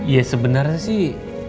ya sebenarnya sih